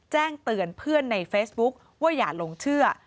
แจ้งเตือนเพื่อนในเฟซบุ๊คว่าอย่าหลงเชื่อ